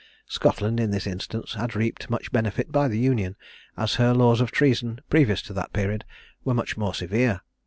Scotland, in this instance, had reaped much benefit by the Union, as her laws of treason, previous to that period, were much more severe.